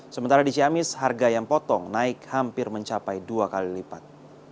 sementara di ciamis harga ayam potong naik hampir mencapai dua kali lipat